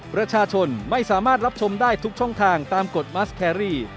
ประชาชนไม่สามารถรับชมได้ทุกช่องทางตามกฎมัสแครรี่